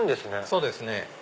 そうですね。